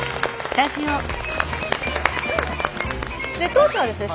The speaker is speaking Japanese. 当社はですね